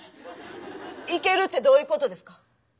いけるってどういうことですか？